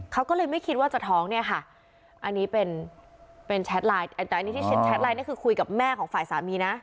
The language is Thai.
เขาก็เลยไม่คิดว่าจะท้องเนี่ยค่ะอันนี้เป็นแชทไลน์คือคุยกับแม่ของฝ่ายสามีนะ